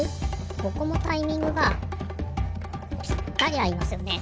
ここもタイミングがぴったりあいますよね。